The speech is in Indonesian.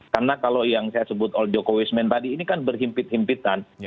karena kalau yang saya sebut oleh jokowi's man tadi ini kan berhimpit himpitan